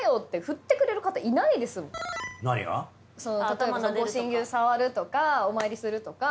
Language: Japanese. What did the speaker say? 例えば御神牛触るとかお参りするとか。